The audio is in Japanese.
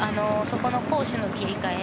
そこの攻守の切り替え